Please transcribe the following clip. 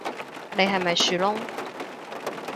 你係咪樹窿